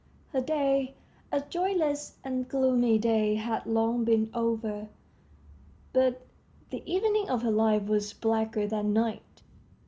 Her day, a joyless and gloomy day, had long been over; but the evening of her life was blacker than night.